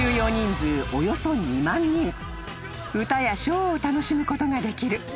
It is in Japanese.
［歌やショーを楽しむことができる］